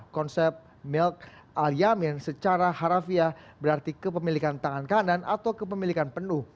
konsep melk al yamin secara harafiah berarti kepemilikan tangan kanan atau kepemilikan penuh